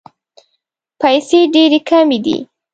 پیسې ډېري کمي دي.